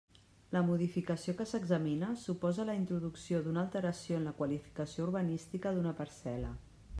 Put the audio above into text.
La modificació que s'examina suposa la introducció d'una alteració en la qualificació urbanística d'una parcel·la.